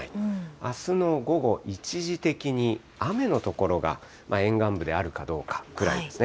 あすの午後一時的に雨の所が沿岸部であるかどうかぐらいですね。